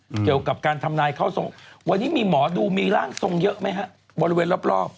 เกี่ยวกับการทำนายเข้าทรงวันนี้มีหมอดูมีร่างทรงเยอะไหมฮะบริเวณรอบรอบ